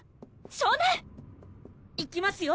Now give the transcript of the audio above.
少年！いきますよ！